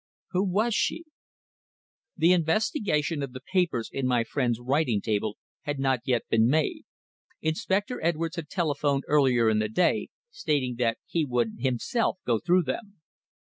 Who was she? The investigation of the papers in my friend's writing table had not yet been made. Inspector Edwards had telephoned earlier in the day, stating that he would himself go through them.